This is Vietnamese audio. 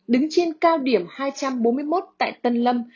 đứng trên cao điểm hai trăm bốn mươi một tại tân lâm